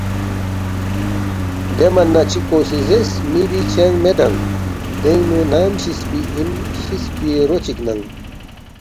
دے من نہ چکپو سی زیرس، ”می بی چنگ میدانگ، دینگ نُو نام شِسفی اِن شِسفی رو چِک ننگ